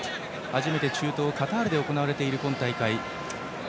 初めて中東のカタールで行われている今大会。